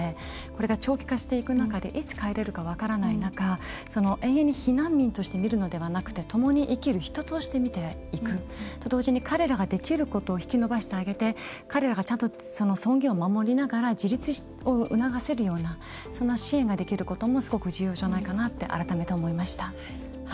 これが長期化していく中でいつ帰れるか分からない中永遠に避難民として見るのではなくてともに生きる人として見ていくと同時に、彼らができることを引き伸ばしてあげて彼らがちゃんと尊厳を守りながら自立を促せるようなそんな支援ができることもすごく重要じゃないかなって改めて思いました。